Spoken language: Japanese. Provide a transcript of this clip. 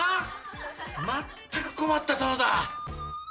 まったく困った殿だ。